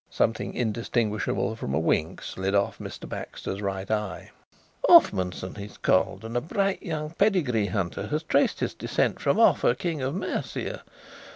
Something indistinguishable from a wink slid off Mr. Baxter's right eye. "Offmunson he's called, and a bright young pedigree hunter has traced his descent from Offa, King of Mercia.